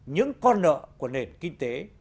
những con nợ của nền kinh tế